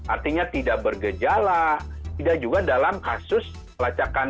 artinya tidak bergejala tidak juga dalam kasus pelacakan